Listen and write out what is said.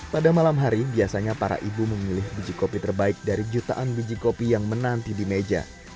pada malam hari biasanya para ibu memilih biji kopi terbaik dari jutaan biji kopi yang menanti di meja